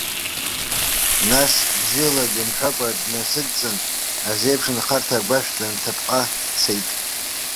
Нас, бзиалагьы мҳәакәа днасыдҵын, азеиԥшынхарҭа агәашә дынҭапҟа дцеит.